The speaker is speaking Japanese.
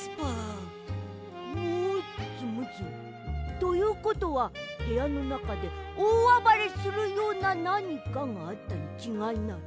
ということはへやのなかでおおあばれするようななにかがあったにちがいない。